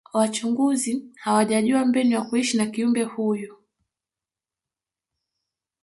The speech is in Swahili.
wachunguzi hawajajua mbinu ya kuishi na kiumbe huyu